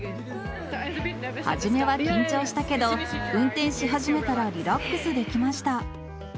初めは緊張したけど、運転し始めたらリラックスできました。